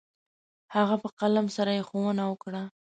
هغه په قلم سره يې ښوونه وكړه.